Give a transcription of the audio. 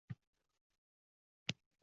Inson bir pog'ona ustun bo'lishi kerakmasmi?